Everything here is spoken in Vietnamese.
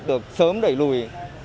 được sớm đẩy lùi